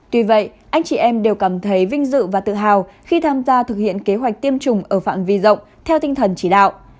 tuy vậy anh chị em đều cảm thấy vinh dự và tự hào khi tham gia thực hiện kế hoạch tiêm chủng ở phạm vi rộng theo tinh thần chỉ đạo